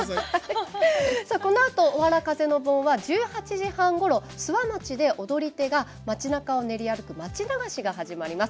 このあと、おわら風の盆は１８時半ごろ諏訪町で踊り手が町なかを練り歩く町流しが始まります。